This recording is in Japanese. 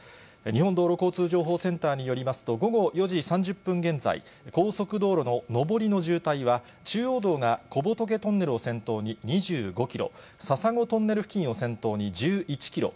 日本道路交通情報センターによりますと、午後４時３０分現在、高速道路の上りの渋滞は、中央道が小仏トンネルを先頭に２５キロ、笹子トンネル付近を先頭に１１キロ、